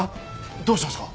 どうしたんすか？